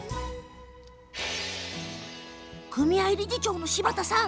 組合理事長の柴田さん